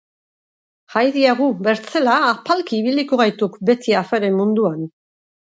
Jai diagu bertzela, apalki ibiliko gaituk beti aferen munduan.